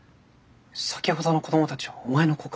先ほどの子どもたちはお前の子か？